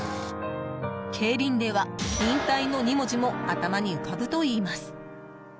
競輪では、引退の２文字も頭に浮かぶといいます。